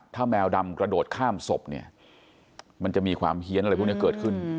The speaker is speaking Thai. ถ้าแมวดำกระโดดข้ามศพเนี่ยมันจะมีความเฮียนอะไรพวกนี้เกิดขึ้น